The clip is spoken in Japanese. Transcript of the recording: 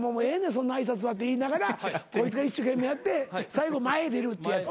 そんな挨拶はって言いながらこいつが一生懸命やって最後前出るってやつ。